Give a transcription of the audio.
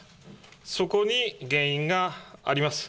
そこに原因があります。